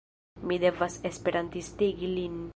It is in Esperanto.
Mi devas esperantistigi lin.